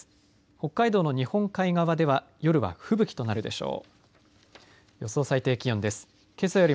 北海道の日本海側では夜は吹雪となるでしょう。